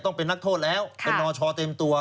ต้องเป็นนักโทษแล้วเป็นนชเต็มตัว